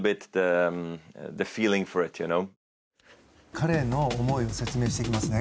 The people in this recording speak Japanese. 彼の思いを説明していきますね。